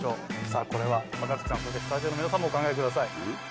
さあこれは若槻さんそしてスタジオの皆さんもお考えください。